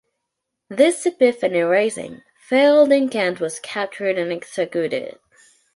This "Epiphany Rising" failed and Kent was captured and executed.